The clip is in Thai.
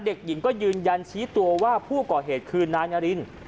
เด็กหญิงก็ยืนยันชี้ตัวว่าผู้ก่อเหตุคือนายนาริน